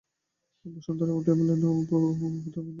বসন্ত রায় বলিয়া উঠিলেন, উদয় বন্দী হইয়াছে?